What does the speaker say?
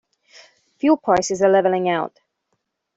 Fuel prices are leveling out.